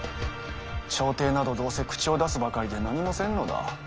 朝廷などどうせ口を出すばかりで何もせぬのだ。